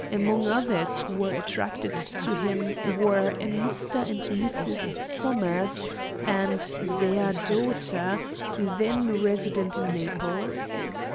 Among others who were attracted to him were a Mr. and Mrs. Somers, and their daughter, then resident in Naples.